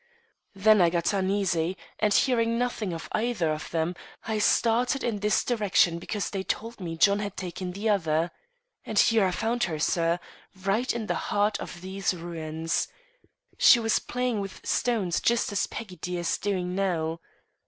Then I got uneasy, and, hearing nothing of either of them, I started in this direction because they told me John had taken the other. And here I found her, sir, right in the heart of these ruins. She was playing with stones just as Peggy dear is doing now.